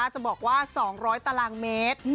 จะบอกว่า๒๐๐ตารางเมตร